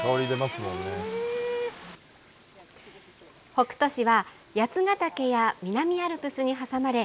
北杜市は、八ヶ岳や南アルプスに挟まれ、